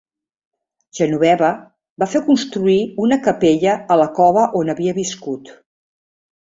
Genoveva va fer construir una capella a la cova on havia viscut.